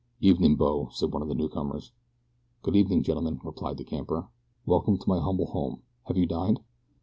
"Evenin', bo," said one of the newcomers. "Good evening, gentlemen," replied the camper, "welcome to my humble home. Have you dined?"